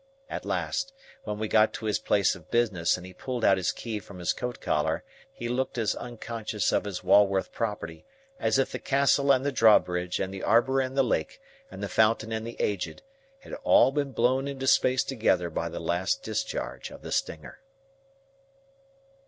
At last, when we got to his place of business and he pulled out his key from his coat collar, he looked as unconscious of his Walworth property as if the Castle and the drawbridge and the arbour and the lake and the fountain and the Aged, had all been blown into space together by the last discharge of the Stinger.